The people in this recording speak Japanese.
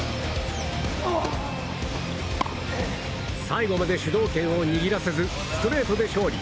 最後まで主導権を握らせずストレートで勝利。